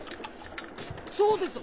そうです。